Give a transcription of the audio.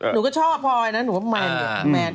หนูก็ชอบพอเลยนะหนูว่าแมน